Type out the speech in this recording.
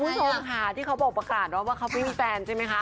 คุณผู้ชมค่ะที่เขาบอกประกาศว่าเขาไม่มีแฟนใช่ไหมคะ